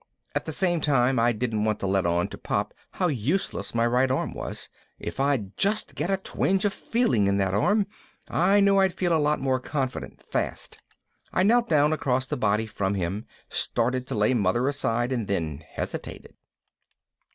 At the same time I didn't want to let on to Pop how useless my right arm was if I'd just get a twinge of feeling in that arm, I knew I'd feel a lot more confident fast. I knelt down across the body from him, started to lay Mother aside and then hesitated.